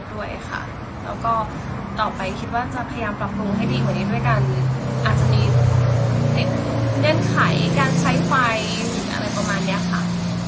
ด้วยการอาจจะมีเนื้อไขการใช้ไฟล์อะไรประมาณเนี่ยค่ะ